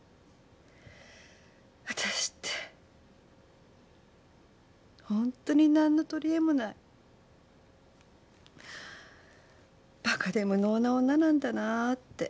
私ってホントに何の取りえもないバカで無能な女なんだなって。